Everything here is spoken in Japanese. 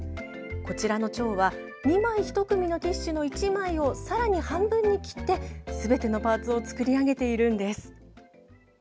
こちらの蝶は２枚１組のティッシュの１枚をさらに半分に切ってすべてのパーツを作り上げているんです。